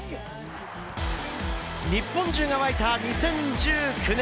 日本中が沸いた２０１９年。